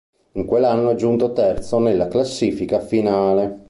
In quell'anno è giunto terzo nella classifica finale.